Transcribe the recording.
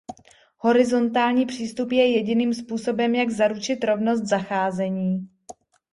Horizontální přístup je jediným způsobem jak zaručit rovnost zacházení.